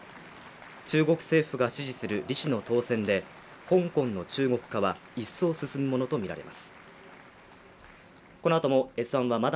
中国政府が支持する李氏の当選で香港の中国化は一層進むものとみられます。